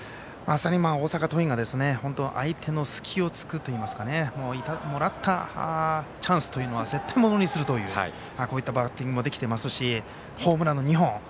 まさに大阪桐蔭が相手の隙を突くといいますかもらったチャンスというのは絶対ものにするというこういったバッティングもできていますしホームランの２本。